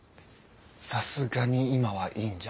さすがに今はいいんじゃ。